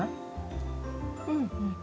うん。